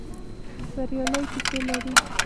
بریالۍ کيسې لري.